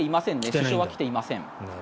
首相は来ていません。